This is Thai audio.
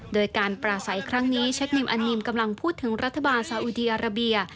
โดยการปราศัยครั้งนี้เช็คิวอันนิมกำลังพูดถึงรัฐบาลสาอุดีอาราเบีย